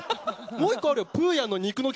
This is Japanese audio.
もう１個あるよ。